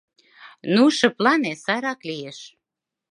Ну, шыплане, сайрак лиеш.